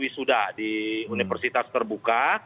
wisuda di universitas terbuka